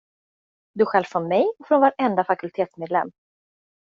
Du stjäl från mig, och från varenda fakultetsmedlem.